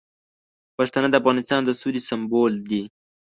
پښتانه د افغانستان د سولې سمبول دي.